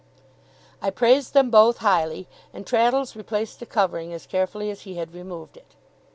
I praised them both, highly, and Traddles replaced the covering as carefully as he had removed it.